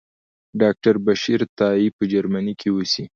ډاکټر بشیر تائي په جرمني کې اوسي.